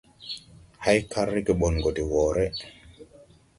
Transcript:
Hay kar rege ɓɔn go de wɔɔre!